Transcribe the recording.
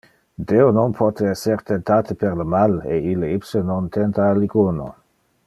Deo non pote esser temptate per le mal, e ille ipse non tempta alicuno.